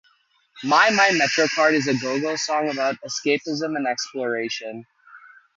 "My My Metrocard" is a go-go song about escapism and exploration.